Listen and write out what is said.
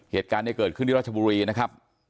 เหตุการณ์ที่เกิดขึ้นที่ราชบุรีนะครับ